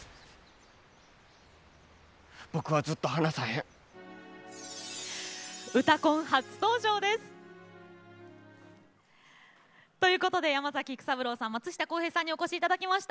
僕はずっと離さへん。ということで山崎育三郎さん松下洸平さんにお越しいただきました。